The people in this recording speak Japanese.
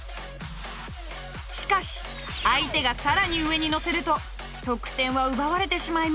しかし相手が更に上にのせると得点は奪われてしまいます。